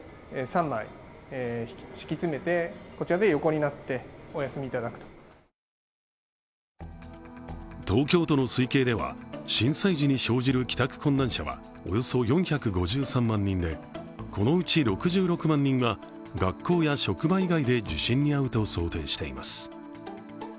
更に東京都の推計では震災時に生じる帰宅困難者はおよそ４５３万人でこのうち６６万人は、学校や職場以外で地震に遭うと想定しています。